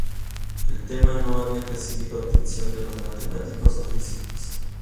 El tema no habían recibido atención de los matemáticos o físicos.